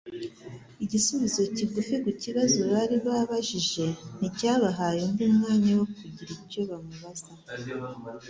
Igisubizo kigufi ku kibazo bari babajije nticyabahaye undi mwanya wo kugira icyo bamubaza.